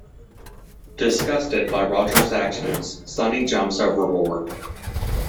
Disgusted by Roger's actions, Sunny jumps overboard.